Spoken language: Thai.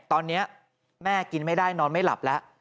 ตอนนี้แม่กินไม่ได้นอนไม่หลับแล้ว